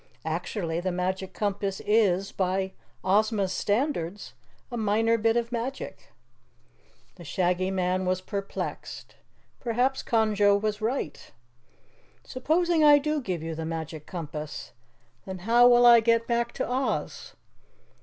Actually the Magic Compass is, by Ozma's standards, a minor bit of magic." The Shaggy Man was perplexed. Perhaps Conjo was right. "Supposing I do give you the Magic Compass then how will I get back to Oz?"